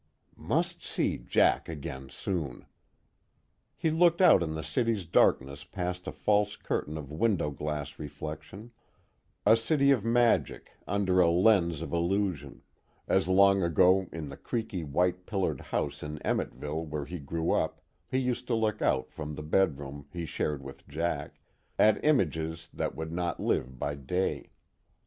Must see Jack again, soon. He looked out on the city's darkness past a false curtain of window glass reflection; a city of magic under a lens of illusion, as long ago in the creaky white pillared house in Emmetville where he grew up he used to look out from the bedroom he shared with Jack, at images that would not live by day.